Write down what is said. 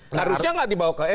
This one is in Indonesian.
harusnya nggak dibawa ke